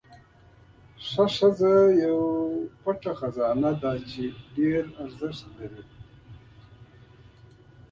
ښه ښځه یو پټ خزانه ده چې ډېره ارزښت لري.